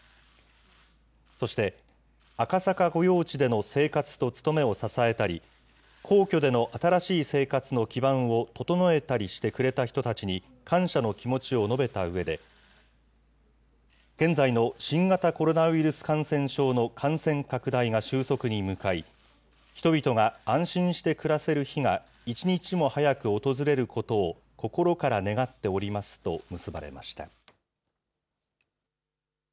そして、赤坂御用地での生活と務めを支えたり、皇居での新しい生活の基盤を整えてしてくれたりした人に、整えたりしてくれた人たちに感謝の気持ちを述べたうえで、現在の新型コロナウイルス感染症の感染拡大が収束に向かい、人々が安心して暮らせる日が、一日も早く訪れることを心から願っておりますと結ばれました。